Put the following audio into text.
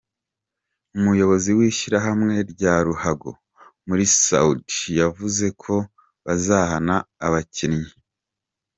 Umuyobozi w’ishyirahamwe rya ruhago muri Saudi yavuze ko bazahana abakinnyi.